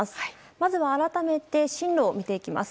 まずは改めて進路を見ていきます。